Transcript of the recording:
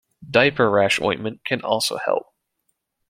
Diaper rash ointment can also help.